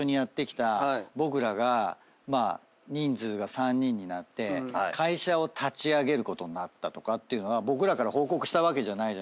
まあ人数が３人になって会社を立ち上げることになったとかっていうのは僕らから報告したわけじゃない。